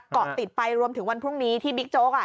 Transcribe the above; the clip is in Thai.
เกาะติดไปรวมถึงวันพรุ่งนี้ที่บิ๊กโจ๊กอ่ะ